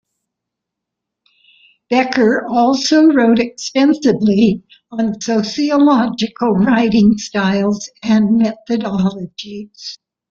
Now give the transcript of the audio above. Becker also wrote extensively on sociological writing styles and methodologies.